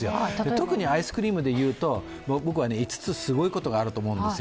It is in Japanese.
特にアイスクリームでいうと僕は５つすごいことがあると思うんですよ。